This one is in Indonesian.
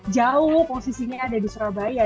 jauh posisinya ada di surabaya